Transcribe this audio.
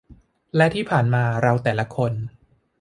และที่ผ่านมาเราแต่ละคน